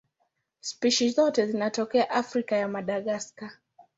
Spishi zote zinatokea Afrika na Madagaska.